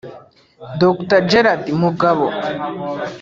Dr Gérard Mugabo